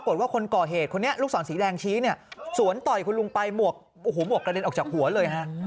คนก่อเหตุคนนี้ลูกศรสีแดงชี้เนี่ยสวนต่อยคุณลุงไปหมวกโอ้โหหมวกกระเด็นออกจากหัวเลยฮะ